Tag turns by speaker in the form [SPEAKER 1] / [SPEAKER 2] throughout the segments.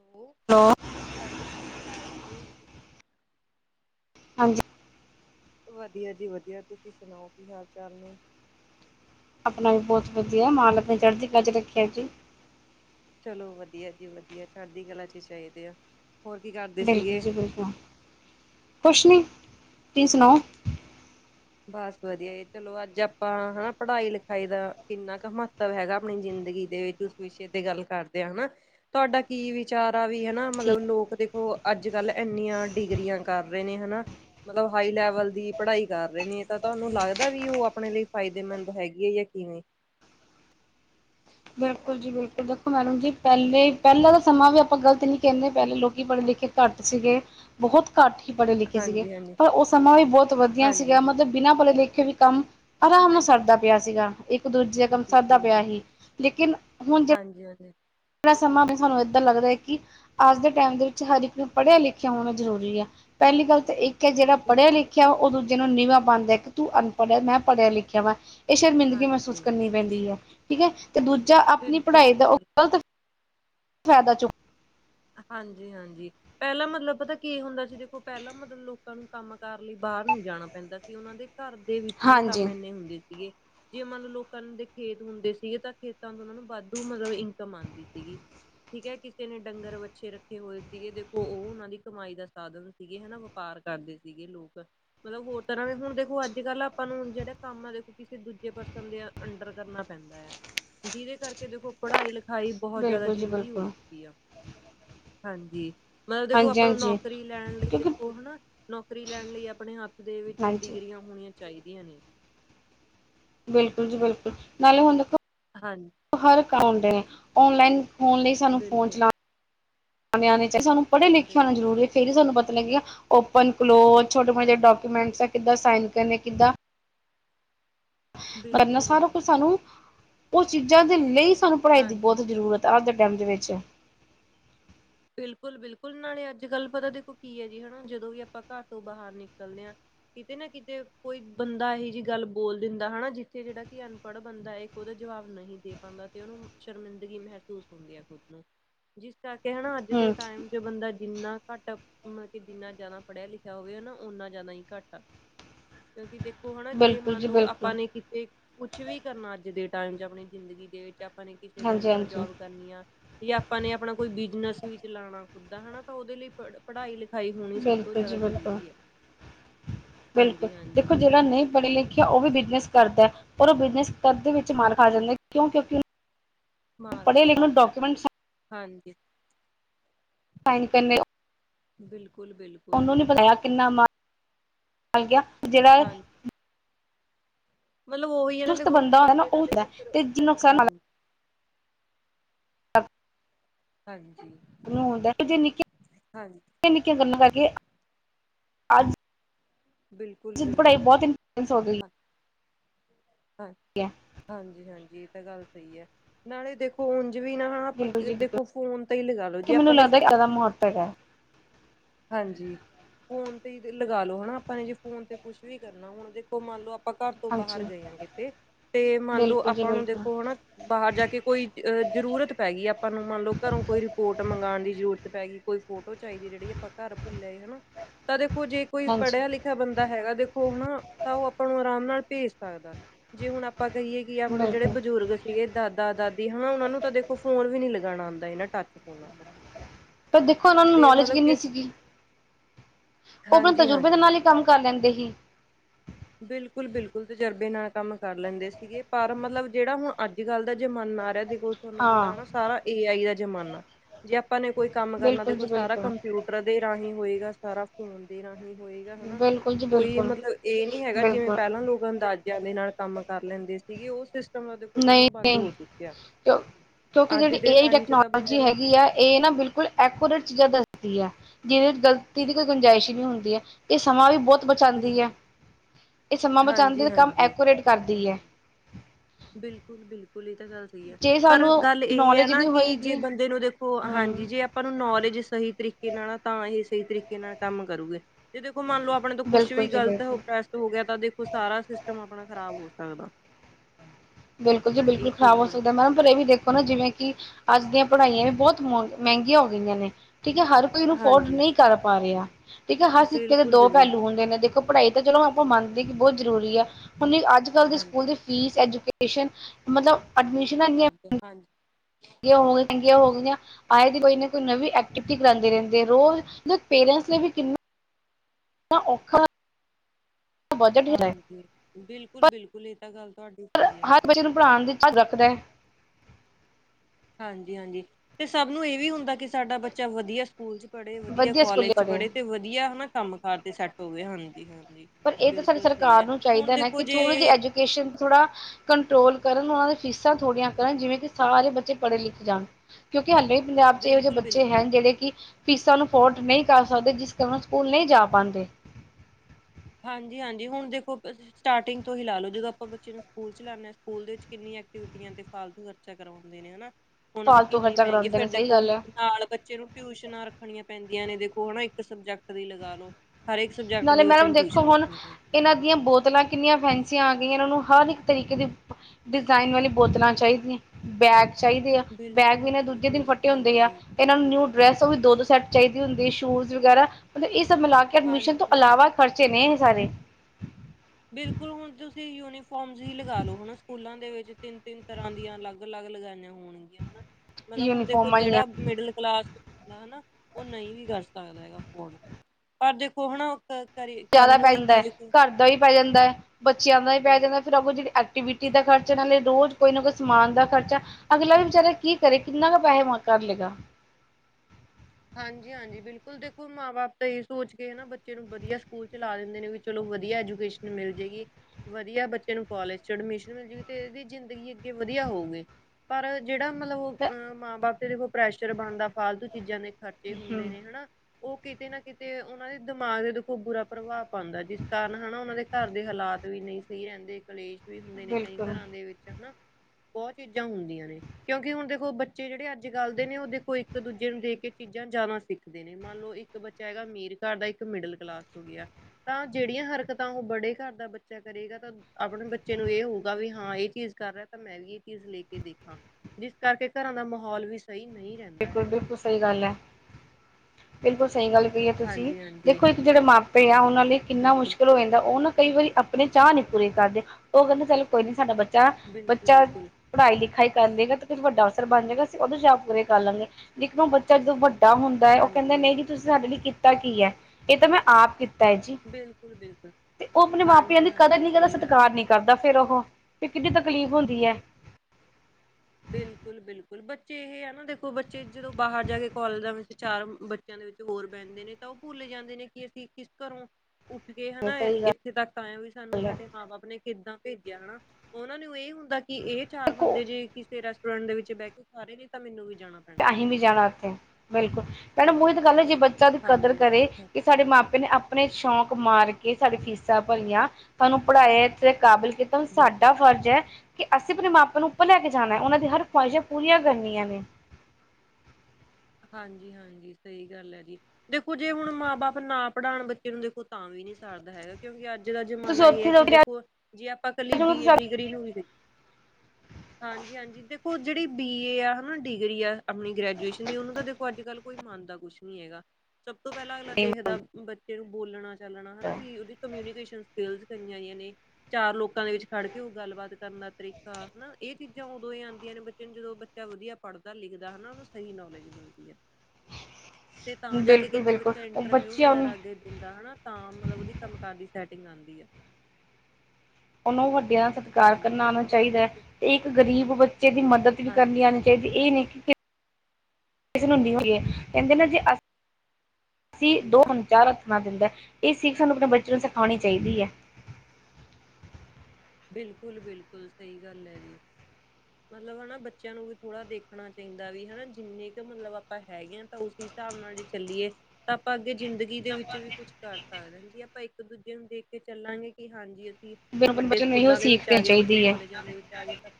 [SPEAKER 1] ਔ
[SPEAKER 2] ਹੈਲੋ
[SPEAKER 1] ਹਾਂਜੀ ਸਸ਼੍ਰੀ ਕਾਲ ਜੀ।
[SPEAKER 2] ਹਾਂਜੀ।
[SPEAKER 1] ਵਦੀਆ ਜੀ ਵਦੀਆ ਤੁਸੀਂ ਸੁਨਾਔ ਕੀ ਹਾਲ-ਚਾਲ ਨੇ?
[SPEAKER 2] ਅਪਨਾ ਵੀ ਬੋਤ ਵਧੀਆ ਮਾਲਕ ਨੇ ਚੜਦੀ ਕੱਲਾ ਚ ਰੱਖੇਆ ਜੀ।
[SPEAKER 1] ਚਲੋ ਵਧੀਆ ਜੀ ਵਧੀਆ ਚੜਦੀ ਕਲਾ ਚ ਈ ਚਾਈਦੇ ਆ, ਹੋਰ ਕੀ ਕਰਦੇ ਸੀਗੇ
[SPEAKER 2] [unintelligible] ਕੁਛ ਨੀ, ਤਿ ਸੁਨਾਓ
[SPEAKER 1] ਬੱਸ ਵਧੀਆ ਯੀ, ਚਲੋ ਅੱਜ ਅਪਾ ਹਨਾ ਪੜਾਈ-ਲਿਖਾਈ ਦਾ ਕਿੰਨਾ ਕ ਮਾ ਪਲ ਹੈਗਾ ਆਪਨੀ ਜ਼ਿੰਦਗੀ ਦੇ ਟੁਸ ਵਿਸ਼ੇ ਤੇ ਗੱਲ ਕਰਦੇ ਆਂ ਹਨਾ, ਤੋਡਾ ਕੀ ਵਿਚਾਰ ਆ ਵੀ ਹਨਾ ਮਤਲਬ
[SPEAKER 2] ਠੀਕ
[SPEAKER 1] ਲੋਕ ਦੇਖੋ ਅ ਅੱਜ-ਕੱਲ ਏਨੀਆਂ ਡਿਗਰੀਆਂ ਕੱਰ ਰੇ ਨੇ ਹਨਾ, ਮਤਲਬ ਹਾਈ ਲੈਵਲ ਦੀ ਪੜਾਈ ਕੱਰ ਰੇ ਨੇ ਤਾਂ ਤਾਨੂੰ ਲੱਗਦਾ ਵੀ ਓ ਆਪਣੇ ਲਈ ਫਾਇਦੇਮੰਦ ਹੈਗੀ ਏ ਯਾ ਕਿਵੇ
[SPEAKER 2] ਬਿਲਕੁਲ ਜੀ ਬਿਲਕੁਲ ਦੇਖੋ ਮੈਡਮ ਜੀ ਪੈਲੇ ਪੈਲੋ ਦਾ ਸਮਾਂ ਵੀ ਅਪਾ ਗਲਤ ਨੀ ਕੈੰਦੇ, ਪੈਲੇ ਲੋਕੀ ਪੜੇ ਲਿਖੇ ਘੱਟ ਸੀਗੇ, ਬੋਹਤ ਘੱਟ ਹੀ ਪੜ੍ਹੇ ਲਿਖੇ ਸੀਗੇ,
[SPEAKER 1] ਹਾਂਜੀ-ਹਾਂਜੀ,
[SPEAKER 2] ਪਰ ਓ ਸਮਾਂ ਵੀ ਬੋਤ ਵਧੀਆ ਸੀਗਾ,
[SPEAKER 1] ਹਾਂਜੀ-ਹਾਂਜੀ।
[SPEAKER 2] ਮਤਬ ਬਿਨਾਂ ਪੱਲੇ ਲਿਖੇ ਵੀ ਕੰਮ, ਆਰਾਮ ਨਾਲ ਸਰਦਾ ਪੇਆ ਸੀਗਾ ਇੱਕ-ਦੂਜੇ
[SPEAKER 1] ਬਿਲਕੁਲ-ਬਿਲਕੁਲ, ਹਾਂਜੀ-ਹਾਂਜੀ।
[SPEAKER 2] ਜੇੜਾ ਸਮਾਂ ਤੇ ਸਾਨੂੰ ਏਦਾਂ ਲੱਗਦਾ ਐ ਕਿ ਅੱਜ ਦੇ ਟੈਮ ਦੇ ਵਿੱਚ ਹਰ ਇੱਕ ਨੂੰ ਪੜੇਆ-ਲਿਖੇਆ ਹੋਣਾ ਜ਼ਰੂਰੀ ਐ ਪੈਲੀ ਗੱਲ ਤਾਂ ਇੱ ਕੇ ਜੇੜਾ
[SPEAKER 1] ਬਿਲਕੁਲ
[SPEAKER 2] ਪੜੇਆ-ਲਿਖੇਆ ਓਹ ਦੂਜੇ ਨੂੰ ਨੀਵਾਂ ਪਾਦੈ, ਕਿ ਤੂੰ ਅਨਪੜ੍ਹ ਐ ਮੈਂ ਪੜੇਆ-ਲਿਖੇਆ ਵਾਂ ਏ ਸ਼ਰਮਿੰਦਗੀ ਮਹਸੂਸ
[SPEAKER 1] ਹਾਂਜੀ
[SPEAKER 2] ਕਰਨੀ ਪੈਂਦੀ ਐ, ਠੀਕ ਐ, ਤੇ ਦੂਜਾ ਆਪਨੀ
[SPEAKER 1] ਬਿਲਕੁਲ
[SPEAKER 2] ਪੜ੍ਹਾਈ ਦਾ ਔ
[SPEAKER 1] ਬਿਲਕੁਲ
[SPEAKER 2] ਗਲਤ ਫੈਦਾ ਚੁੱਕ
[SPEAKER 1] ਹਾਂਜੀ-ਹਾਂਜੀ। ਪੈਲਾ ਮਤਲਬ ਪਤਾ ਕੀ ਹੁੰਦਾ ਸੀ, ਦੇਖੋ ਪੈਲਾ ਮਤਲਬ ਲੋਕਾਂ ਨੂੰ ਕੰਮ ਕੱਰ ਲਈ ਬਾਰ ਨੂੰ ਜਾਨਾ ਪੈਂਦਾ ਸੀ, ਔਨਾਂ ਦੇ ਘੱਰ ਦੇ ਵਿੱਚ ਹੀ ਕੰਮ
[SPEAKER 2] ਹਾਂਜੀ
[SPEAKER 1] ੲੈਨੇ ਹੁੰਦੇ ਸੀਗੇ ਜੇ ਮੰਨ ਲੋਕਾਂ ਦੇ ਖੇਤ ਹੁੰਦੇ ਸੀਗੇ ਤਾਂ ਖੇਤਾਂ ਤੋਂ ਔਨਾਂ ਨੂੰ ਵਾਧੂ ਮਗਰ ਇਨਕਮ ਆਂਦੀ ਸੀਗੀ ਠੀਕ ਐ, ਕਿਸੇ ਨੇ ਡੰਗਰ-ਵੱਛੇ ਰੱਖੇ ਹੋਏ ਸੀਗੇ, ਦੇਖੋ ਔ ਓਨਾ ਦੀ ਕਮਾਈ ਦਾ ਸਾਧਨ ਸੀਗੇ, ਹਨਾ ਵਪਾਰ ਕਰਦੇ ਸੀਗੇ ਲੋਕ ਮਲਬ ਹੋਰ ਤਰਾ ਵੀ ਹੁਨ ਦੇਖੋ ਅੱਜ-ਕੱਲ ਆਪਾਂ ਨੂੰ ਜਿੜਾ ਕੰਮ ਹੈਗੇ ਕਿਸੇ ਦੂਜੇ ਪਰਸਨ ਦੇ ਆ ਅੰਡਰ ਕਰਨਾ ਪੈਂਦਾ ਐ ਕਿਉਕਿ ਇਦੇ ਕਾਰਕੇ ਦੇਖੋ ਪੜਾਈ ਲਿਖਾਈ ਬੋਹਤ ਜਾਦਾ
[SPEAKER 2] ਬਿਲਕੁਲ ਜੀ
[SPEAKER 1] ਜ਼ਰੂਰੀ ਹੋ
[SPEAKER 2] ਬਿਲਕੁਲ
[SPEAKER 1] ਚੁੱਕੀ ਆ। ਹਾਂਜੀ, ਮਬ ਦੇਖੋ
[SPEAKER 2] ਹਾਂਜੀ
[SPEAKER 1] ਆਪਾਂ ਨੂੰ
[SPEAKER 2] ਹਾਂਜੀ
[SPEAKER 1] ਨੌਕਰੀ ਲੈਨ ਲਈ
[SPEAKER 2] ਕਿਉਂਕਿ
[SPEAKER 1] ਦੇਖੋ ਹਨਾ ਨੌਕਰੀ ਲੈਨ ਲਈ ਅਪਨੇ ਹੱਥ ਦੇ ਵਿੱਚ
[SPEAKER 2] ਹਾਂਜੀ
[SPEAKER 1] ਡਿਗਰੀਆਂ ਹੋਨੀਆਂ ਚਾਈਦੀਆਂ ਨੇ।
[SPEAKER 2] ਬਿਲਕੁਲ ਜੀ, ਬਿਲਕੁਲ ਨਾਲੇ ਹੁਨ ਦੇਖੋ
[SPEAKER 1] ਹਾਂ
[SPEAKER 2] ਹਰ ਕਾਮ ਦੇਨੇ ਔਨਲਾਈਨ ਹੋਨ ਲਈ ਸਾਨੂੰ ਫੋਨ
[SPEAKER 1] ਬਿਲਕੁਲ,
[SPEAKER 2] ਚਲਾਨ, ਨੇਆਨੇ ਚੇੜ ਜਾਣਾ ਪੜੇ ਲਿਖੇ ਹੋਨਾ
[SPEAKER 1] ਬਿਲਕੁਲ
[SPEAKER 2] ਜਰੂਰੀ ਏ ਫੇਰ ਈ ਸਾਨੂੰ ਪਤਾ ਲਗੇਆ ਔਪਨ-ਕਲੋਜ਼ ਛੋਟੇ-ਮੋਟੇ
[SPEAKER 1] ਹਾਂਜੀ
[SPEAKER 2] ਡਾਕੂਮੈਂਟਸ ਕਿੱਦਾਂ ਸੈਨ ਕਰਨੇ, ਕਿੱਦਾਂ ਪਰ ਅਪਣਾ
[SPEAKER 1] ਬਿਲਕੁਲ,
[SPEAKER 2] ਸਾਰਾ
[SPEAKER 1] ਬਿਲਕੁਲ
[SPEAKER 2] ਕੁਝ ਸਾਨੂੰ, ਓ ਚੀਜ਼ਾਂ ਦਿੰਦੇ ਈ ਸਾਨੂੰ ਪੜਾਈ ਦੀ
[SPEAKER 1] ਹਾਂਜੀ
[SPEAKER 2] ਬੌਤ ਜ਼ਰੂਰਤ ਤਾ ਅੱਜ ਦੇ ਟੈਮ ਦੇ ਵੇਚ
[SPEAKER 1] ਬਿਲਕੁਲ-ਬਿਲਕੁਲ ਨਾਲੇ ਅੱਜ-ਕੱਲ ਪਤਾ ਦੇਖੋ ਕੀ ਐ ਜੀ ਹਨਾ ਜਦੋਂ ਵੀ ਅਪਾ ਘੱਰ ਤੋਂ ਬਾਹਰ ਨਿਕਲਦੇ ਆਂ ਕਿੱਤੇ ਨਾ ਕਿੱਤੇ ਕੋਈ ਬੰਦਾ ਏਹੀ ਜੀ ਗੱਲ ਬੋਲ ਦਿੰਦਾ ਹਨਾ, ਜਿੱਥੇ ਜਿੜਾ ਕਿ ਅਨਪੜ੍ਹ ਬੰਦਾ ਏ ਓਦਾ ਜਵਾਬ ਨਹੀਂ ਦੇ ਪਾਂਦਾ ਤੇ ਓਨੂੰ ਸ਼ਰਮਿੰਦਗੀ ਮਹਸੂਸ ਹੁੰਦੀ ਐ ਖੁਦ ਨੂੰ, ਜਿਸ ਕਾਰ ਕੇ ਹਨਾ ਅੱਜ ਦੇ
[SPEAKER 2] ਹੂੰ
[SPEAKER 1] ਟੈਮ ਜੇ ਓ ਬੰਦਾ ਜਿੰਨਾ ਘੱਟ, ਮਤਬ ਕਿ ਜਿੰਨਾ ਜਾਦਾ ਪੜੇਆ ਲਿਖਿਆ ਹੋਵੇ, ਓਨਾ, ਓਨਾ ਜੈ਼ਦਾ ਈ ਘੱਟਾ। ਕਿਉਂਕੀ ਦੇਖੋ ਹੈਨਾ ਜੇ
[SPEAKER 2] ਬਿਲਕੁਲ ਜੀ
[SPEAKER 1] ਮੰਨਲੋ
[SPEAKER 2] ਬਿਲਕੁਲ
[SPEAKER 1] ਆਪਾਂ ਨੇ ਕਿਤੇ ਕੁਛ ਵੀ ਕਰਨਾ ਅੱਜ ਦੇ ਟਾਈਮ ਚ ਆਪਨੀ ਜ਼ਿੰਦਗੀ ਦੇ ਵਿੱਚ ਆਪਾਂ ਨੇ ਕਿਸੇ ਦੇ
[SPEAKER 2] ਹਾਂਜੀ
[SPEAKER 1] ਅੰਡਰ
[SPEAKER 2] ਹਾਂਜੀ
[SPEAKER 1] ਜੋਬ ਕਰਨੀ ਆ ਯਾਂ ਆਪਾਂ ਨੇ ਆਪਨਾ ਕੋਈ ਬਿਜਨੱਸ ਵੀ ਚਲਾਨਾ ਖੁਦ ਦਾਂ ਹਨਾਂ ਤਾਂ ਔਦੇ ਲਈ ਪੜ੍ਹ ਪੜ੍ਹਾਈ-ਲਿਖਾਈ ਹੋਨੀ ਸਭ ਤੋਂ ਜਾਦਾ ਜ਼ਰੂਰੀ ਐ।
[SPEAKER 2] ਬਿਲਕੁੱਲ ਦੇਖੋ ਜੇੜਾ ਨਈ ਪੜ੍ਹੇ ਲਿ ਖਿਆ ਔ ਵੀ ਬਿਜਨੱਸ ਕਰਦਾ ਐ ਪਰ ਔ ਬਿਜਨੱਸ ਕਰਦੇ ਵਿੱਚ ਮਾਰ ਖਾ
[SPEAKER 1] ਬਿਲਕੁਲ
[SPEAKER 2] ਜਾਂਦੈ ਕਿਉਂ ਕਿਉਂਕਿ ਉਹਨੂੰ ਪੜ੍ਹੇ ਲਿਖੇ
[SPEAKER 1] [unintelligible]
[SPEAKER 2] ਨੂੰ ਡਾਕੂਮੈਂਟ
[SPEAKER 1] ਹਾਂਜੀ।
[SPEAKER 2] [inaudible]
[SPEAKER 1] ਬਿਲਕੁਲ ਬਿਲਕੁਲ
[SPEAKER 2] [unintelligible] ਜੇੜਾ ਏ
[SPEAKER 1] ਮਲਬ ਓਹੀ ਐ ਨਾ
[SPEAKER 2] ਚੁਸਤ
[SPEAKER 1] ਦੇਖੋ
[SPEAKER 2] ਬੰਦਾ ਹੁੰਦਾ ਨਾ
[SPEAKER 1] ਬੰਦੇ
[SPEAKER 2] ਉਹ
[SPEAKER 1] ਦਾ
[SPEAKER 2] ਹੁੰਦਾ
[SPEAKER 1] ਦੇਖੋ
[SPEAKER 2] ਹੈ
[SPEAKER 1] ਫਿਰ,
[SPEAKER 2] ਤੇ ਜੇ ਨੁਕਸਾਨ
[SPEAKER 1] ਹਾਂ
[SPEAKER 2] [inaudible]
[SPEAKER 1] ਹਾਂਜੀ।
[SPEAKER 2] [inaudible]
[SPEAKER 1] ਹਾਂਜੀ
[SPEAKER 2] ਨਿੱਕਿਆ-ਨਿੱਕੀਆਂ ਗਲਾ ਕਰਕੇ ਅੱਜ
[SPEAKER 1] ਬਿਲਕੁਲ
[SPEAKER 2] [inaudible]
[SPEAKER 1] ਬਿਲਕੁਲ
[SPEAKER 2] ਪੜਾਈ ਬੋਤ ਇੰਪੋਰਟੈਂਸ ਹੋ ਗਈ।
[SPEAKER 1] [unintelligible]
[SPEAKER 2] [unintelligible]
[SPEAKER 1] ਹਾਂਜੀ-ਹਾਂਜੀ ਏ ਤਾ ਗੱਲ ਸਈ ਐ ਨਾਲੇ ਦੇਖੋ ਜਿਵੀ ਨਾ ਹਾ ਆਪਾਂ,
[SPEAKER 2] ਬਿਲਕੁਲ ਜੀ ਬਿਲਕੁਲ
[SPEAKER 1] ਦੇਖੋ ਫੋਨ ਤੇ ਹੀ ਲਗਾਲੋ
[SPEAKER 2] ਕਿ
[SPEAKER 1] ਜੇ ਆਪਾਂ ਨੇ
[SPEAKER 2] [unintelligible] [inaudible]
[SPEAKER 1] ਹਾਂਜੀ। ਫੋਨ ਤੇ ਈ ਲਗਾ ਲੋ ਹਣਾ, ਆਪਾ ਨੇ ਜੇ ਫੋਨ ਤੇ ਕੁਛ ਵੀ ਕਰਨਾ, ਹੁਣ ਦੇਖੋ ਮੰਨ ਲਓ ਆਪਾ ਕਰ ਤੋ
[SPEAKER 2] ਹਾਂਜੀ
[SPEAKER 1] ਬਾਹਰ ਗਏ ਆ ਕਿਤੇ, ਤੇ ਮੰਨ ਲੋ
[SPEAKER 2] ਬਿਲਕੁਲ ਜੀ
[SPEAKER 1] ਆਪਾ ਨੂੰ
[SPEAKER 2] ਬਿਲਕੁਲ
[SPEAKER 1] ਦੇਖੋ ਹਨਾ ਬਾਹਰ ਜਾ ਕੇ ਕੋਈ ਅ ਜ਼ਰੂਰਤ ਪੈਗੀ ਆਪਾਂ ਨੂੰ ਮੰਨ ਲੋ ਘਰੋ ਕੋਈ ਰਿਪੋਟ ਮੰਗਾਣ ਦੀ ਜੁਰਤ ਪੈਗੀ, ਕੋਈ ਫੋਟੋ ਚਾਈਦੀ ਜੇੜੀ ਆਪਾਂ ਘਰ ਪੁੱਲ ਆਏ ਹਨਾ, ਤਾ ਦੇਖੋ ਜੇ ਕੋਈ
[SPEAKER 2] ਹਾਂਜੀ
[SPEAKER 1] ਪੜੇਆ-ਲਿਖ ਖੇਆ ਬੰਦਾ ਹੈਗਾ ਦੇਖੋ, ਹਣਾ ਤਾ ਓ ਆਪਾਂ ਨੂੰ ਆਰਾਮ ਨਾਲ ਪੇਜ ਸਕਦਾ, ਜੇ ਹੁਣ ਆਪਾ ਕਹੀਏ ਕੀ ਆਪਣੇ ਜੇੜੇ
[SPEAKER 2] ਬਿਲਕੁਲ
[SPEAKER 1] ਬਜ਼ੁਰਗ ਸੀਗੇ ਦਾਦਾ-ਦਾਦੀ, ਹਨਾ ਓਨਾ ਨੂੰ ਤਾ ਦੇਖੋ ਫੋਨ ਵੀ ਨੀ ਲਗਾਣਾ ਆਂਦਾ ਇਨਾਂ ਟੱਚ ਫੋਨਾਂ ਤੋ।
[SPEAKER 2] ਪਰ ਦੇਖੋ ਓਨਾਂ ਨੂੰ ਨੌਲੇਜ ਕਿੰਨੀ ਸੀਗੀ। ਓ ਅਪਣੇ ਤਜੁਰਬੇ ਦੇ ਨਾਲ ਈ ਕੰਮ ਕਰ ਲੈਂਦੇ ਹੀ।
[SPEAKER 1] ਬਿਲਕੁੱਲ-ਬਿਲਕੁੱਲ, ਤਜਰਬੇ ਨਾਲ ਕੰਮ ਕਰ ਲੈਂਦੇ ਸੀਗੇ ਪਰ ਮਲਬ ਜੇੜਾ ਹੁਣ ਅੱ ਜ ਕੱਲ ਦਾ ਜਮਾਨਾ ਆ ਰਿਆ ਦੇਕੋ ਥੋਂਨੂੰ
[SPEAKER 2] ਹਾਂ
[SPEAKER 1] ਪਤਾ ਹਨਾ ਸਾਰਾ ਏ ਆਈ ਦਾ ਜਮਾਨਾ, ਜੇ ਆਪਾ ਨੇ ਕੋਈ ਕੰਮ ਕਰਨਾ
[SPEAKER 2] ਬਿਲਕੁਲ
[SPEAKER 1] ਦੇਖੋ
[SPEAKER 2] ਜੀ
[SPEAKER 1] ਸਾਰਾ
[SPEAKER 2] ਬਿਲਕੁਲ
[SPEAKER 1] ਕੰਪਿਉ ਦੇ ਰਾਹੀ ਹੋਏਗਾ ਸਾਰਾ ਫੋਨ ਦੇ ਰਾਹੀ ਹੋਏਗਾ ਹਨਾ,
[SPEAKER 2] ਬਿਲਕੁਲ ਜੀ
[SPEAKER 1] ਕੋਈ
[SPEAKER 2] ਬਿਲਕੁਲ
[SPEAKER 1] ਮਤਲਬ ਏ ਨੀ ਹੈਗਾ ਜਿਵੇ
[SPEAKER 2] ਬਿਲਕੁਲ
[SPEAKER 1] ਪੈਲਾ ਲੋਕ ਅੰਦਾਜੇਆ ਦੇ ਨਾਲ ਕੰਮ ਕਰ ਲੈਂਦੇ ਸੀਗੇ, ਓ ਸਿਸਟਮ ਦਾ ਦੇਖੋ ਜਮਾ ਬੰਦ ਹੋ ਚੁੱਕੇਆ।
[SPEAKER 2] ਕਿਉਂਕੀ ਜੇੜੀ ਏ ਆਈ ਟੈਕਨੋਲੋਜੀ ਹੈਗੀ ਆ ਏ ਨਾ ਬਿਲਕੁੱਲ ਐਕੁਰੇਟ ਚੀਜ਼ਾ ਦੱਸਦੀ ਆ ਜਿਵੇ ਗਲ ਤੀ ਦੀ ਕੋਈ ਗੁੰਜਾਇਸ਼ ਈ ਨੀ ਹੁੰਦੀ ਐ, ਏ ਸਮਾਂ ਵੀ ਬੋਤ ਬਚਾਂਦੀ
[SPEAKER 1] ਬਿਲਕੁਲ-ਬਿਲਕੁਲ
[SPEAKER 2] ਐ। ਏ ਸਮਾ ਬਚਾਂਦੀ ਤੇ ਕੰਮ
[SPEAKER 1] ਹਾਂਜੀ-ਹਾਂਜੀ
[SPEAKER 2] ਐਕੁਰੇਟ ਕਰਦੀ ਐ।
[SPEAKER 1] ਬਿਲਕੁੱਲ-ਬਿਲਕੁੱਲ ਏ ਤਾ ਗੱਲ ਸਈ ਆ
[SPEAKER 2] ਜੇ
[SPEAKER 1] ਪਰ
[SPEAKER 2] ਸਾਨੂੰ
[SPEAKER 1] ਗੱਲ ਏਹ ਆ
[SPEAKER 2] ਨੌਲੇਜ
[SPEAKER 1] ਨਾ
[SPEAKER 2] ਨਹੀਂ
[SPEAKER 1] ਕੀ
[SPEAKER 2] ਹੋਏਗੀ
[SPEAKER 1] ਜੇ ਬੰਦੇ ਨੂੰ ਦੇਖੋ, ਹਾਂਜੀ
[SPEAKER 2] ਹਮ
[SPEAKER 1] ਜੇ ਆ ਆਪਾ ਨੂੰ ਨੌਲੇਜ ਸਹੀ ਤਰੀਕੇ ਨਾਲ ਤਾ ਯਹ ਸਹੀ ਤਰੀਕੇ ਨਾਲ ਕੰਮ ਕਰੂਗੇ। ਜੇ ਦੇਖੋ ਮੰਨ ਲੋ ਆਪਣੇ ਤੋਂ ਕੁਛ
[SPEAKER 2] ਬਿਲਕੁਲ
[SPEAKER 1] ਵੀ
[SPEAKER 2] ਜੀ
[SPEAKER 1] ਗ਼ਲਤ
[SPEAKER 2] ਬਿਲਕੁਲ
[SPEAKER 1] ਪ੍ਰੈਸ ਹੋ ਗਿਆ ਤਾ ਦੇਖੋ ਸਾਰਾ ਸਿਸਟਮ ਆਪਣਾ ਖਰਾਬ ਹੋ ਸਕਦਾ।
[SPEAKER 2] ਬਿਲਕੁੱਲ ਜੀ,
[SPEAKER 1] ਹਨਾ ਇਹ
[SPEAKER 2] ਬਿਲਕੁਲ
[SPEAKER 1] ਚੀਜ਼
[SPEAKER 2] ਖਰਾਬ ਹੋ
[SPEAKER 1] ਜਾਂਦੀ
[SPEAKER 2] ਸਕਦਾ ਮੈਮ। ਪਰ ਇਹ ਵੀ ਦੇਖੋ ਨਾ ਜਿਵੇਂ ਕਿ ਅੱਜ ਦੀਆ ਪੜਾਈਆ ਵੀ ਬੋਤ ਮੋ ਮੈਂਗੀਆਂ ਹੋ ਗਈਆਂ ਨੇ ਠੀਕ, ਹਰ ਹਰ ਕੋਈ ਇਸ ਨੂੰ ਅਫੋਡ
[SPEAKER 1] ਹਾਂਜੀ
[SPEAKER 2] ਨਈ ਕਰ ਪਾ ਰਿਆ ਠੀਕ ਆ, ਹਰ ਸਿੱਕੇ ਦੇ
[SPEAKER 1] ਬਿਲਕੁਲ
[SPEAKER 2] ਦੋ
[SPEAKER 1] ਬਿਲਕੁਲ
[SPEAKER 2] ਪੈਲੂ ਹੁੰਦੇ ਨੇ ਦੇਖ ਪੜਾਈ ਤੇ ਚਲੋ ਆਪਾਂ ਮੰਨਦੇ ਕਿ ਬੋਤ ਜ਼ਰੂਰੀ ਐ, ਹੁਣ ਅੱਜ-ਕੱਲ ਦੇ
[SPEAKER 1] ਹਾਂਜੀ
[SPEAKER 2] ਸਕੂਲ ਦੀ ਫੀਸ, ਐਜੂ ਕੇਸ਼ਨ ਮਤਲਬ ਐਡਮਿ
[SPEAKER 1] ਸਬ ਹਾਂਜੀ
[SPEAKER 2] ਗੇਂਹੂ ਹੋ ਗਿਆ ਗੇਂਹੂ ਉਗ ਗਿਆ ਆਏ ਦੀ ਕੋਈ ਨਾ ਕੋਈ ਨਵੀ ਐਕਟੀਵਿਟੀ ਕਰਾਂਦੇ ਰੈਂਦੇ ਰੋਜ਼, ਪੇਰੇਂਟਸ ਲਈ ਵੀ ਕਿੰਨਾ ਐਨਾ ਔਖਾ ਬਜਟ ਹੈ
[SPEAKER 1] ਹਾਂਜੀ, ਬਿਲਕੁਲ
[SPEAKER 2] ਪਰ
[SPEAKER 1] ਬਿਲਕੁਲ, ਏ ਤਾਂ ਗੱਲ ਤਾਡੀ ਸਈ ਹੈ।
[SPEAKER 2] ਹਰ ਬੱਚੇ ਨੂੰ ਪੜਾਣ ਦੀ ਤਾਂ ਰੱਖਦਾ।
[SPEAKER 1] ਹਾਂਜੀ- ਹਾਂਜੀ, ਤੇ ਸਬ ਨੂੰ ਇਹ ਵੀ ਹੁੰਦਾ ਕਿ ਸਾਡਾ ਬੱਚਾ ਵਧੀਆ ਸਕੂਲ 'ਚ ਪੜੇ, ਵਧੀਆ ਕੋਲਜ
[SPEAKER 2] ਸਕੂਲੇ
[SPEAKER 1] 'ਚ
[SPEAKER 2] ਪੜ੍ਹੇ।
[SPEAKER 1] ਪੜੇ, ਤੇ ਵਧੀਆ ਹਨਾ ਕੰਮ ਕਾਰ ਤੇ ਸੈੱਟ ਹੋਵੇ, ਹਾਂਜੀ, ਹਾਂਜੀ।
[SPEAKER 2] ਪਰ ਇਹ ਤਾਂ ਸਾਡੀ
[SPEAKER 1] ਬਿਲਕੁਲ ਸਹੀ
[SPEAKER 2] ਸਰਕਾਰ
[SPEAKER 1] ਹੈ
[SPEAKER 2] ਨੂੰ
[SPEAKER 1] ਹੁਣ
[SPEAKER 2] ਚਾਹੀਦਾ ਨਾ
[SPEAKER 1] ਦੇਖੋ
[SPEAKER 2] ਕਿ
[SPEAKER 1] ਜੇ
[SPEAKER 2] ਥੋੜੀ ਜਿਈ ਐਜੂਕੇਸ਼ਨ ਥੋੜਾ ਕੰਟਰੋਲ ਕਰਨ ਉਹਨਾਂ ਦੀਆਂ ਫੀਸਾਂ ਥੋੜੀਆਂ ਕਰਨ ਜਿਵੇਂ ਕਿ ਸਾਰੇ ਬੱਚੇ ਪੜੇ-ਲਿਖੇ ਜਾਣ। ਕਿਉਂਕਿ ਹਾਲੇ ਵੀ ਪੰਜਾਬ 'ਚ ਇਹੋ-ਜਿਏ
[SPEAKER 1] ਬਿਲਕੁਲ
[SPEAKER 2] ਬੱਚੇ ਹੈ
[SPEAKER 1] ਬਿਲਕੁਲ
[SPEAKER 2] ਜਿਹੜੇ ਕਿ ਫੀਸਾਂ ਨੂੰ ਅਫੋਰਡ ਨਈਂ ਕਰ ਸਕਦੇ ਜਿਸ ਕਾਰਨ ਉਹ ਸਕੂਲ ਨਈ ਜਾ ਪਾਂਦੇ
[SPEAKER 1] ਹਾਂਜੀ-ਹਾਂਜੀ, ਹੁਣ ਦੇਖੋ ਪਰ ਸਟਾਰਟਿੰਗ ਤੋਂ ਹੀ ਲਾ ਲਓ, ਜਦੋਂ ਆਪਾਂ ਬੱਚੇ ਨੂੰ ਸਕੂਲ 'ਚ ਲਾਨੇ ਆ, ਸਕੂਲ ਦੇ ਵਿੱਚ ਕਿੰਨੀ ਐਕਟੀਵਿਟੀਆਂ ਤੇ ਫਾਲਤੂ ਖਰਚਾ ਕਰਵਾ ਹੁੰਦੇ ਨੇ ਹਨਾ, ਉਹਨਾਂ ਦੀ
[SPEAKER 2] ਫਾਲਤੂ
[SPEAKER 1] ਕਿੰਨੀ
[SPEAKER 2] ਖਰਚਾ
[SPEAKER 1] ਮਹਿੰਗੀ,
[SPEAKER 2] ਕਰਾਉਂਦੇ
[SPEAKER 1] ਫਿਰ
[SPEAKER 2] ਨੇ ਸਹੀ
[SPEAKER 1] ਦੇਖੋ
[SPEAKER 2] ਗੱਲ ਹੈ
[SPEAKER 1] ਨਾਲ ਬੱਚੇ ਨੂੰ ਟਿਊਸ਼ਨਾਂ ਰੱਖਣੀਆਂ ਪੈਂਦੀਆਂ ਨੇ ਦੇਖੋ ਹਨਾ ਇੱਕ ਸਬਜੈਕਟ ਦੀ ਲਗਾ ਲਓ ਹਰ ਇੱਕ ਸਬਜੈਕਟ
[SPEAKER 2] ਨਾਲੇ
[SPEAKER 1] ਦੀ
[SPEAKER 2] ਮੈਡਮ
[SPEAKER 1] ਉਚਨ
[SPEAKER 2] ਦੇਖੋ ਹੁਣ ਇਹਨਾਂ ਦੀਆਂ ਬੋਤਲਾਂ ਕਿੰਨੀਆਂ ਫੈਸੀਆਂ ਆ ਗਈਆਂ, ਇਹਨਾਂ ਨੂੰ ਹਰ ਇੱਕ ਤਰੀਕੇ ਦੀ ਡਿਜ਼ਾਇਨ ਵਾਲੀ ਬੋਤਲਾਂ ਚਾਹੀਦੀਆਂ, ਬੈਗ ਚਾਹੀਦੇ ਆ, ਬੈਗ ਵੀ
[SPEAKER 1] ਬਿਲਕੁਲ
[SPEAKER 2] ਨਾ ਦੂਜੇ ਦਿਨ
[SPEAKER 1] ਬਿਲਕੁਲ
[SPEAKER 2] ਫੱਟੇ ਹੁੰਦੇ ਆ
[SPEAKER 1] ਹਾਂਜੀ
[SPEAKER 2] ਇਹਨਾਂ ਨੂੰ ਨਿਊ ਡਰੈਸ ਉਹ ਵੀ ਦੋ-ਦੋ ਸੈਟ ਚਾਈਦੇ ਹੁੰਦੇ ਏ ਸ਼ੂਜ਼ ਵਗੈਰਾ, ਮਤਲਬ ਇਹ ਸਭ ਮਿਲਾ ਕੇ ਐਡਮਿਸ਼ਨ
[SPEAKER 1] ਹਾਂਜੀ
[SPEAKER 2] ਤੋਂ
[SPEAKER 1] ਹਾਂਜੀ
[SPEAKER 2] ਇਲਾਵਾ ਖਰਚੇ ਨੇ ਇਹ ਸਾਰੇ।
[SPEAKER 1] ਬਿਲਕੁਲ ਹੁਣ ਤੁਸੀਂ ਯੂਨੀਫੋਰਮਜ਼ ਹੀ ਲਗਾ ਲਓ ਹਨਾ ਸਕੂਲਾਂ ਦੇ ਵਿੱਚ ਤਿੰਨ-ਤਿੰਨ ਤਰਾਂ ਦੀਆਂ ਅਲੱਗ ਅਲੱਗ ਲਗਾਈਆਂ ਹੋਣਗੀਆਂ ਹਨਾ ਮਤਲਬ ਹੁਣ ਦੇਖੋ
[SPEAKER 2] ਯੂਨੀਫਾਰਮਾਂ ਹੀ ਆ
[SPEAKER 1] ਜੇੜਾ ਮਿਡਲ ਕਲਾਸ, ਹੁੰਦਾ ਹਨਾ, ਉਹ ਨਈਂ ਵੀ ਕਰ ਸਕ ਲਗਦਾ ਹੈਗਾ ਪੋਡ, ਪਰ ਦੇਖੋ ਹੁਨ ਕਰ ਕਰਨ ਵੀ ਕੀ
[SPEAKER 2] ਦਹੀ ਪੈ ਜਾਂਦਾ, ਬੱਚਿਆਂ ਦਾ ਵੀ ਪੈ ਜਾਂਦਾ। ਪ੍ਰਭੂ ਜੇੜੀ ਐਕਟੀਵਿਟੀ ਦਾ ਖਰਚਾ, ਨਾਲੇ ਰੋਜ਼ ਕੋਈ ਨਾ ਕੋਈ ਸਮਾਨ ਦਾ ਖਰਚਾ। ਅਗਲਾ ਵੀ ਵਿਚਾਰਾ ਕੀ ਕਰੇ, ਕਿੰਨਾ ਕ ਪੈਹਾ ਕਰ ਲੇਗਾ।
[SPEAKER 1] ਹਾਂਜੀ-ਹਾਂਜੀ ਬਿਲਕੁਲ ਦੇਖੋ ਮਾਂ-ਬਾਪ ਤਾਂ ਇਹੀ ਸੋਚ ਕੇ ਹਨਾ ਬੱਚੇ ਨੂੰ ਵਧੀਆ ਸਕੂਲ 'ਚ ਲਾ ਦਿੰਦੇ ਨੇ ਵੀ ਚਲੋ ਵਧੀਆ ਐਜੂਕੇਸ਼ਨ ਮਿਲ ਜੇਗੀ। ਵਧੀਆ ਬੱਚੇ ਨੂੰ ਕਾਲਜ 'ਚ ਐਡਮਿਸ਼ਨ ਮਿਲ ਜੂਗੀ ਤੇ ਇਹਦੀ ਜ਼ਿੰਦਗੀ ਅੱਗੇ ਵਧੀਆ ਹੋਊਗੀ ਪਰ ਜੇੜਾ ਮਤਲਬ ਓ ਮਾਂ-ਬਾਪ ਤੇ ਦੇਖੋ ਪ੍ਰੈਸ਼ਰ ਬਣਦਾ ਫਾਲਤੂ ਚੀਜ਼ਾਂ ਦੇ ਖਰਚੇ ਹੁੰਦੇ
[SPEAKER 2] ਹਮ
[SPEAKER 1] ਨੇ ਹਨਾ, ਉਹ ਕਿਤੇ ਨਾ ਕਿਤੇ ਉਹਨਾਂ ਦੇ ਦਿਮਾਗ ਦੇਖੋ ਬੁਰਾ ਪ੍ਰਭਾਵ ਪਾਂਦਾ ਜਿਸ ਕਾਰਨ ਹਨਾ ਉਹਨਾਂ ਦੇ ਘਰ ਦੇ ਹਾਲਾਤ ਵੀ ਨਈ ਸਈ ਰਹਿੰਦੇ ਕਲੇਸ਼ ਵੀ ਹੁੰਦੇ ਨੇ ਕਈ
[SPEAKER 2] ਬਿਲਕੁਲ
[SPEAKER 1] ਘਰਾਂ ਦੇ ਵਿੱਚ ਹਨਾ, ਬੋਹਤ ਚੀਜ਼ਾਂ ਹੁੰਦੀਆਂ ਨੇ ਕਿਉਂਕਿ ਹੁਣ ਦੇਖੋ ਬ ਬੱਚੇ ਜੇੜੇ ਅੱਜ-ਕੱਲ ਦੇ ਨੇ ਉਹ ਦੇਖੋ ਇੱਕ-ਦੂਜੇ ਨੂੰ ਦੇਖ ਕੇ ਚੀਜ਼ਾਂ ਜ਼ਿਆਦਾ ਸਿੱਖਦੇ ਨੇ, ਮੰਨ ਲਓ ਇੱਕ ਬੱਚਾ ਹੈਗਾ ਅਮੀਰ ਘਰ ਦਾ, ਇੱਕ ਮਿਡਲ ਕਲਾਸ ਹੋ ਗਿਆ ਤਾਂ ਜੇੜੀਆਂ ਹਰਕਤਾਂ ਉਹ ਬੜੇ ਘਰ ਦਾ ਬੱਚਾ ਕਰੇਗਾ ਤਾਂ ਆਪਣੇ ਬੱਚੇ ਨੂੰ ਇਹ ਹੋਊਗਾ ਵੀ ਹਾਂ ਏਹ ਚੀਜ਼ ਕਰ ਰਿਹਾ ਤਾਂ ਮੈਂ ਵੀ ਇਹ ਚੀਜ਼ ਲੈ ਕੇ ਦੇਖਾ ਜਿਸ ਕਰਕੇ ਘਰਾਂ ਦਾ ਮਾਹੌਲ ਵੀ ਸਈ ਨਈਂ ਰੈਂ।
[SPEAKER 2] ਬਿਲਕੁਲ-ਬਿਲਕੁਲ ਸਈ ਗੱਲ ਐ, ਬਿਲਕੁਲ ਸਈ ਗੱਲ ਏ ਕਈ ਆ ਤੁਸੀਂ,
[SPEAKER 1] ਹਾਂਜੀ ਹਾਂਜੀ
[SPEAKER 2] ਦੇਖੋ ਇੱਕ ਜੇੜੇ ਮਾਪੇ ਆ ਓਨਾਂ ਲਈ ਕਿੰਨਾ
[SPEAKER 1] ਬਿਲਕੁਲ
[SPEAKER 2] ਮੁਸ਼ਕਿਲ ਹੋ ਜਾਂਦਾ ਓ ਨਾ ਕਈ ਵਾਰੀ ਆਪ- ਆਪਣੇ ਚਾਅ ਨੀ ਪੂਰੇ ਕਰਦੇ, ਓ ਕੈਹੰਦੇ ਚੱਲ ਕੋਈ ਨੀ ਸਾਡਾ ਬੱਚਾ,
[SPEAKER 1] ਬਿਲਕੁਲ
[SPEAKER 2] ਬੱਚਾ
[SPEAKER 1] ਬਿਲਕੁਲ
[SPEAKER 2] ਪੜਾਈ-ਲਿਖਾਈ ਕਰ ਲੇਗਾ ਤੇ ਕੁੱਝ ਵੱਡਾ ਅਫਸਰ ਬਣ ਜੇਗਾ ਅਸੀਂ ਓਦੋ ਚਾਅ ਪੂਰੇ ਕਰ ਲਾਂਗੇ। ਇਕਦਮ ਬੱਚਾ ਜਦੋਂ ਵੱਡਾ ਹੁੰਦਾ ਐ ਓ ਕੈਹੰਦਾ
[SPEAKER 1] ਹਾਂਜੀ
[SPEAKER 2] ਨਈਂ ਜੀ ਤੁਸੀਂ ਸਾਡੇ ਲਈ ਕਿੱਤਾ ਕੀ ਐ ਏਹ ਤਾਂ ਮੈਂ ਆਪ ਕਿੱਤ ਤੈ ਜੀ,
[SPEAKER 1] ਬਿਲਕੁਲ ਬਿਲਕੁਲ
[SPEAKER 2] ਤੇ ਓ ਆਪਣੇ ਮਾਪੇਆਂ
[SPEAKER 1] ਹਾਂਜੀ
[SPEAKER 2] ਦੀ ਕਦਰ
[SPEAKER 1] ਹਾਂਜੀ
[SPEAKER 2] ਨੀ ਕਰਦਾ
[SPEAKER 1] ਸਹੀ ਗੱਲ
[SPEAKER 2] ਸਤਕਾਰ ਨੀ ਕਰਦਾ ਫੇਰ ਓਹ, ਫੇਰ ਕਿੰਨੀ ਤਕਲੀਫ਼ ਹੋਂਦੀ ਐ।
[SPEAKER 1] ਬਿਲਕੁਲ-ਬਿਲਕੁਲ ਬੱਚੇ ਏਹ ਐ ਨਾ ਦੇਖੋ ਬੱਚੇ ਜਦੋਂ ਬਾਹਰ ਜਾ ਕੇ ਕੋਲਜਾਂ ਵਿੱਚ ਚਾਰ ਬਚ ਚੇਆਂ ਦੇ ਵਿੱਚ ਹੋਰ ਬੈਹੰਦੇ ਨੇ ਤਾਂ ਓ ਭੁੱਲੇ ਜਾਂਦੇ ਨੇ ਕਿ ਅਸੀਂ ਕਿਸ ਘਰੋਂ ਉੱਠ ਕੇ ਹੈਨਾ
[SPEAKER 2] ਸਹੀ
[SPEAKER 1] ਇੱਥੇ ਤੱਕ ਆਏ ਆਂ ਵੀ ਸਾਨੂੰ
[SPEAKER 2] ਗੱਲ ਹੈ
[SPEAKER 1] ਸਾਡੇ ਮਾਂ-ਬਾਪ ਨੇ ਕਿੱਦਾਂ ਭੇਜੇਆ ਹੈਨਾ ਓਨਾਂ ਨੂੰ ਏਹ ਹੁੰਦਾ ਕਿ ਏਹ ਚਾਰ
[SPEAKER 2] ਦੇਖੋ
[SPEAKER 1] ਬੰਦੇ ਜੇ ਕਿ ਕਿਤੇ ਰੈਸਟੋਰੈਂਟ ਦੇ ਵਿੱਚ ਬੈਹ ਕੇ ਖਾ ਰਏ ਨੇ ਤਾਂ ਮੈਨੂੰ ਵੀ ਜਾਣਾ
[SPEAKER 2] ਤੇ
[SPEAKER 1] ਪੈਣਾ
[SPEAKER 2] ਅਸੀ਼ ਵੀ ਜਾਣਾ ਓਥੇ ਬਿਲਕੁਲ ਭੈਣ ਓਹੀ ਤੇ ਗੱਲ ਐ ਜੇ ਬੱਚਾ ਜੇ ਕਦਰ
[SPEAKER 1] ਹਾਂਜੀ
[SPEAKER 2] ਕਰੇ ਕਿ ਸਾਡੇ ਮਾਂਪੇ ਨੇ ਆਪਣੇ ਸ਼ੌਂਕ ਮਾਰ ਕੇ ਸਾਡੀ ਫੀਸਾਂ ਭਰੀਆਂ ਤੁਆਨੂੰ ਪੜਾਆ ਇਥੇ ਕਾਬਲ ਕੀਤਾ ਓ
[SPEAKER 1] ਬਿਲਕੁਲ
[SPEAKER 2] ਸਾਡਾ ਫਰਜ਼ ਐ ਕਿ ਅਸੀਂ ਆਪਣੇ ਮਾਪਿਓ ਨੂੰ ਉੱਪਰ ਲੈ ਕੇ ਜਾਣਾ ਓਨਾਂ ਦੀ ਹਰ ਖਵਾਹਿਸ਼ਾਂ ਪੂਰੀਆਂ ਕਰਨੀਆਂ ਨੇ।
[SPEAKER 1] ਹਾਂਜੀ-ਹਾਂਜੀ। ਸਈ ਗੱਲ ਐ ਜੀ, ਦੇਖੋ ਜੇ ਹੁਣ ਮਾਂ-ਬਾਪ ਨਾ ਪੜਾਣ ਬੱਚੇ ਨੂੰ ਦੇਖੋ ਤਾਂ ਵੀ ਨੀ ਸਰਦਾ ਹੈਗਾ। ਕਿਉਂਕਿ, ਅੱਜ ਦਾ
[SPEAKER 2] ਤੁਸੀਂ
[SPEAKER 1] ਜ਼ਮਾਨਾ ਏਹ ਹੈ
[SPEAKER 2] ਉੱਥੇ
[SPEAKER 1] ਕਿ ਦੇਖੋ ਜੇ ਆਪਾਂ ਇਕੱਲੀ ਬੀ ਏ ਡਿਗਰੀ ਨੂੰ ਵੀ ਦੇ ਹਾਂਜੀ-ਹਾਂਜੀ, ਦੇਖੋ ਜੇਹੜੀ ਬੀ ਏ ਆ ਹੈਨਾ। ਡਿਗਰੀ ਆ ਆਪਣੀ ਗ੍ਰੈਜੂਏਸ਼ਨ ਹਾਂਜੀ ਓਹਨੂੰ ਤਾਂ ਦੇਖੋ ਅੱਜ-ਕੱਲ ਕੋਈ ਮੰਨਦਾ ਕੁਛ ਨੀ ਹੈਗਾ, ਸਭ ਤੋਂ ਪੈਹਲਾਂ ਅਗਲਾ ਦੇਖਦਾ ਬੱਚੇ ਨੂੰ ਬੋਲਣਾ ਚੱਲਣਾ ਹੈਨਾ ਵੀ ਉਹਦੀ ਕਮਿਊਨੀਕੇਸ਼ਨ ਸਕਿਲਸ ਕਈਆਂ ਜਿਆਂ ਨੇ। ਚਾਰ ਲੋਕਾਂ ਦੇ ਵਿੱਚ ਖੜ ਕੇ ਓ ਗੱਲਬਾਤ ਕਰਨ ਦਾ ਤਰੀਕਾ ਹੈਨਾ ਏਹ ਚੀਜ਼ਾਂ ਉਦੋਂ ਹੀ ਆਂਦੀਆਂ ਨੇ ਬੱਚੇ ਨੂੰ ਜਦੋਂ ਬੱਚਾ ਵਧੀਆ ਪੜਦਾ-ਲਿਖਦਾ ਹੈਨਾ ਓਹਨੂੰ ਸਹੀ ਨੌਲੇਜ ਮਿਲਦੀ ਐ। ਤੇ ਤਾਂ ਜਾ ਕੇ
[SPEAKER 2] ਬਿਲਕੁਲ
[SPEAKER 1] ਕਿਤੇ
[SPEAKER 2] ਬਿਲਕੁਲ
[SPEAKER 1] ਬੱਚਾ
[SPEAKER 2] ਉਹ
[SPEAKER 1] ਇੰਟਰਵਿਊ
[SPEAKER 2] ਬੱਚਿਆਂ ਨੂੰ
[SPEAKER 1] ਵਗੈਰਾ ਅੱਗੇ ਦਿੰਦਾ ਹੈਨਾ ਤਾਂ ਮਤਲਬ ਉਦੀ ਕੰਮ ਕਰਨ ਦੀ ਸੈਟਿੰਗ ਆਂਦੀ ਐ।
[SPEAKER 2] ਓਹਨੂੰ ਵੱਡੇਆਂ ਸਤਕਾਰ
[SPEAKER 1] ਹਾਂਜੀ
[SPEAKER 2] ਕਰਨਾ
[SPEAKER 1] ਤਾਂ
[SPEAKER 2] ਆਣਾ
[SPEAKER 1] ਮਤਲਬ
[SPEAKER 2] ਚਾਈਦੈ
[SPEAKER 1] ਦੇਖੋ
[SPEAKER 2] ਤੇ ਇੱਕ ਗ਼ਰੀਬ ਬੱਚੇ ਦੀ ਮਦਦ ਵੀ ਕਰਨੀ
[SPEAKER 1] ਹਾਂਜੀ
[SPEAKER 2] ਆਣੀ ਇਹ ਨੀ ਕਿ [unintelligible] ਕਿਸ ਨੂੰ ਹੈਗੀ ਏ ਕੈਹੰਦੇ ਨੇ ਜੇ ਅਸ ਅਸੀ ਦੋ ਹੁਣ ਚਾਰ ਹੱਥ ਨ ਦਿੰਦਾ ਇਹ ਸੀਖ ਸਾਨੂੰ ਆਪਣੇ ਬੱਚੇ ਨੂੰ ਸਿਖਾਣੀ ਚਾਈਦੀ ਐ।
[SPEAKER 1] ਬਿਲਕੁਲ-ਬਿਲਕੁਲ ਸਹੀ ਗੱਲ ਐ ਜੀ। ਮਤਲਬ ਹੈਨਾ ਬੱਚਿਆਂ ਨੂੰ ਵੀ ਥੋੜਾ ਦੇਖਣਾ ਚਾਈਦਾ ਵੀ ਹੈਨਾ ਜਿੰਨੇ ਕੁ ਮਤਲਬ ਆਪਾਂ ਹੈਗੇ ਹਾਂ ਤਾਂ ਓ ਹਿਸਾਬ ਨਾਲ ਜੇ ਚੱਲੀਏ। ਤਾਂ ਆਪਾਂ ਅੱਗੇ ਜ਼ਿੰਦਗੀ ਦੇ ਵਿੱਚ ਵੀ ਕੁੱਛ ਕਰ ਸਕਦੇ ਆਂ ਜੇ ਆਪਾਂ ਇੱਕ ਦੂਜੇ ਨੂੰ ਦੇਖ ਕੇ ਚੱਲਾਂਗੇ। ਕਿ ਹਾਂਜੀ ਅਸੀਂ
[SPEAKER 2] ਆਪਣੇ
[SPEAKER 1] ਵੱਡੇ
[SPEAKER 2] ਬੱਚੇ ਨੂੰ ਇਹੋ
[SPEAKER 1] ਸਕੂਲਾਂ ਦੇ
[SPEAKER 2] ਸਿੱਖ
[SPEAKER 1] ਵਿੱਚ ਆ
[SPEAKER 2] ਦੇਣੀ
[SPEAKER 1] ਗਏ, ਵੱਡੇ
[SPEAKER 2] ਚਾਹੀਦੀ ਹੈ।
[SPEAKER 1] ਕਾਲਜਾਂ ਦੇ ਵਿੱਚ ਆ ਗਏ ਤਾਂ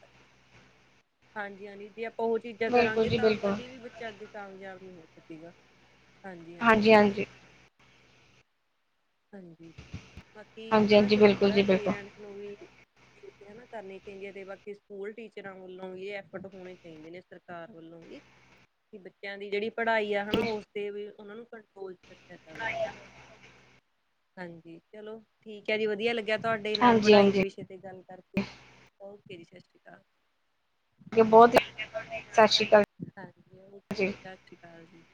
[SPEAKER 1] ਹਾਂਜੀ-ਹਾਂਜੀ ਜੇ ਆਪਾਂ ਓਹ ਚੀਜ਼ਾਂ
[SPEAKER 2] ਬਿਲਕੁਲ
[SPEAKER 1] ਕਰਾਂਗੇ
[SPEAKER 2] ਜੀ
[SPEAKER 1] ਤਾਂ
[SPEAKER 2] ਬਿਲਕੁਲ।
[SPEAKER 1] ਕਦੇ ਵੀ ਬੱਚਾ ਅੱਗੇ ਕਾਮਯਾਬ ਨਹੀਂ ਹੋ ਸਕੇਗਾ।
[SPEAKER 2] ਹਾਂਜੀ
[SPEAKER 1] ਹਾਂਜੀ-ਹਾਂਜੀ।
[SPEAKER 2] ਹਾਂਜੀ
[SPEAKER 1] ਹਾਂਜੀ, ਬਾਕੀ
[SPEAKER 2] ਹਾਂਜੀ
[SPEAKER 1] ਹੈਨਾ
[SPEAKER 2] ਹਾਂਜੀ
[SPEAKER 1] ਚਲੋ
[SPEAKER 2] ਬਿਲਕੁਲ
[SPEAKER 1] ਥੋੜਾ
[SPEAKER 2] ਜੀ ਬਿਲਕੁਲ
[SPEAKER 1] ਪੇਰੈਂਟਸ ਨੂੰ ਵੀ ਕਰਨੀ ਚਾਈਦੀ ਐ ਤੇ ਬਾਕੀ ਸਕੂਲ ਟੀਚਰਾਂ ਵੱਲੋਂ ਵੀ ਏ ਐਫਰਟ ਹੋਣੇ ਚਾਈਦੇ ਨੇ ਸਰਕਾਰ ਵੱਲੋਂ ਵੀ। ਬੱਚੇਆਂ ਦੀ ਜੇਹੜੀ ਪੜ੍ਹਾਈ ਆ ਹੈਨਾ ਉਸ ਤੇ ਵੀ ਓਹਨਾਂ ਨੂੰ ਕੰਟਰੋਲ ਚ ਰੱਖੇਆ ਜਾਵੇ। ਹਾਂਜੀ ਚਲੋ ਠੀਕ ਐ ਜੀ, ਵਧੀਆ ਲੱਗਿਆ ਤੁਹਾਡੇ ਨਾਲ
[SPEAKER 2] ਹਾਂਜੀ
[SPEAKER 1] ਪੜ੍ਹਾਈ ਦੇ
[SPEAKER 2] ਹਾਂਜੀ
[SPEAKER 1] ਵਿਸ਼ੇ ਤੇ ਗੱਲ ਕਰਕੇ। ਓਕੇ ਜੀ ਸਸ਼ ਸ੍ਰੀ ਕਾਲ।
[SPEAKER 2] ਗੇ ਬਹੋਤ ਹੀ ਸਸ਼ ਸ਼੍ਰੀ ਕਾਲ।
[SPEAKER 1] ਹਾਂਜੀ ਓਹ ਸਸ ਸ਼੍ਰੀ ਕਾਲ ਜੀ।